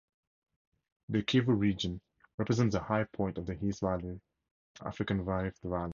The Kivu region represents the high point of the East African Rift Valley.